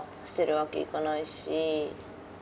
捨てるわけいかないし。